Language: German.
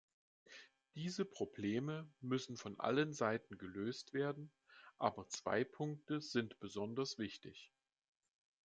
Diese Probleme müssen von allen Seiten gelöst werden, aber zwei Punkte sind besonders wichtig.